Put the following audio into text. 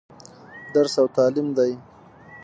درس او تعليم دى.